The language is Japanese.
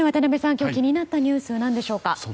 今日気になったニュースは何でしょうか？